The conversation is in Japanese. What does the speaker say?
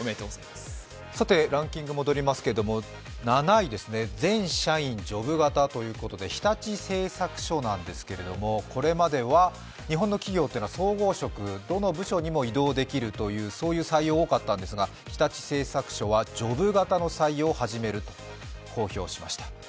さて、ランキング戻りますけれども７位ですね、全社員ジョブ型ということですけれども、日立製作所なんですけれどもこれまでは日本の企業というのは総合職、どの部署にも異動できるという採用が多かったんですが日立製作所はジョブ型の採用を始めると公表しました。